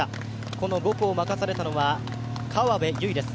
この５区を任されたのは、河辺友依です。